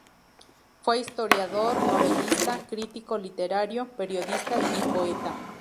Fue historiador, novelista, crítico literario, periodista y poeta.